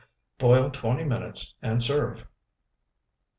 Boil twenty minutes and serve.